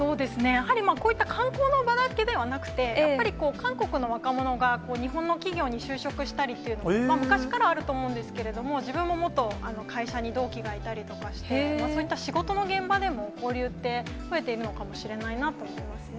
やはり、こういった観光の場だけではなくて、やっぱり韓国の若者が日本の企業に就職したりっていうのも、昔からあると思うんですけれども、自分も元会社に同期がいたりとかして、そういった仕事の現場でも、交流って増えているのかもしれないと思いますね。